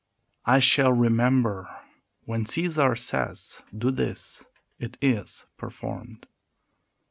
I shall remember: When C'sar says Do this, it is performed."